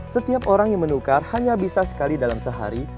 setiap orang yang menukar hanya bisa sekali dalam sehari